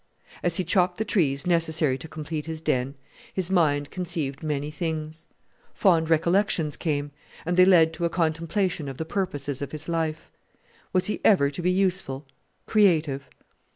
As he chopped the trees necessary to complete his den, his mind conceived many things. Fond recollections came, and they led to a contemplation of the purposes of his life. Was he ever to be useful, creative?